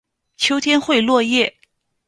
秋天会落叶。